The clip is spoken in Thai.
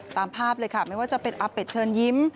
ตามภาพเลยค่ะไม่ว่าจะเป็นอาเป็ดเชิญยิ้ม